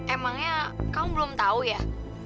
emangnya kamu belum tahu ya